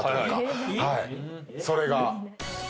それが。